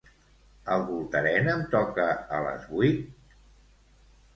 El Voltarén em toca a les vuit?